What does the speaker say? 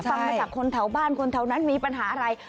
ฟังมาจากคนแถวบ้านคนแถวนั้นมีปัญหาอะไร